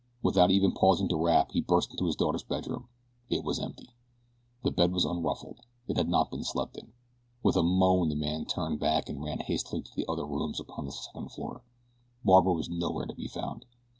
Without even pausing to rap he burst into his daughter's bedroom. It was empty. The bed was unruffled. It had not been slept in. With a moan the man turned back and ran hastily to the other rooms upon the second floor Barbara was nowhere to be found.